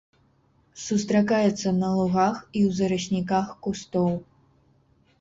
Сустракаецца на лугах і ў зарасніках кустоў.